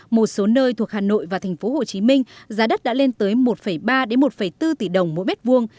một số nơi thuộc hà nội và thành phố hồ chí minh giá đất đã lên tới một ba một bốn tỷ đồng mỗi mét vuông